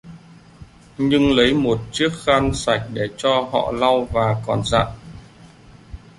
Nhưng lấy một chiếc khăn sạch để cho họ lau và còn dặn